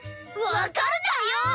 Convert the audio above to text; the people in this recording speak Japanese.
分かんないよ！